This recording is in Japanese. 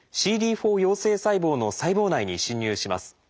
４陽性細胞の細胞内に侵入します。